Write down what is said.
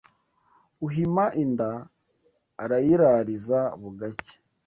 Uhima inda arayirariza bugacya